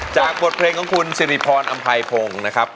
จากบทเพลงของคุณสิริพรอำไพพงศ์นะครับ